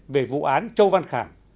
về vụ án châu văn khảng